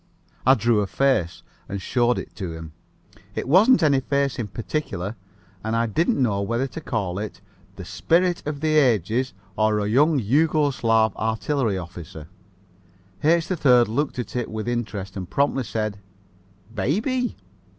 I drew a face and showed it to him. It wasn't any face in particular and I didn't know whether to call it the Spirit of the Ages or a young Jugo Slav artillery officer. H. 3rd looked at it with interest and promptly said "baybay."